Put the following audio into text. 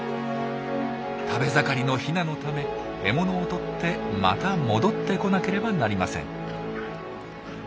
食べ盛りのヒナのため獲物をとってまた戻ってこなければなりません。